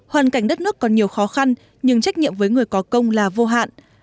hoàn cảnh đất nước còn nhiều khó khăn nhưng trách nhiệm với người có công là vô hạn